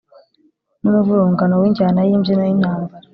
n'umuvurungano w'injyana y'imbyino y'intambara